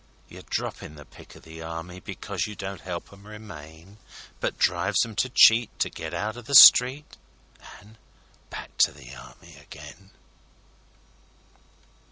You're droppin' the pick o' the Army Because you don't 'elp 'em remain, But drives 'em to cheat to get out o' the street An' back to the Army again!